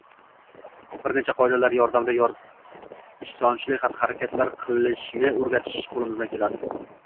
bir necha qoidalar yordamida yordamida ishonchli xatti-harakatlar qilishni o‘rgatish qo‘limizdan keladi.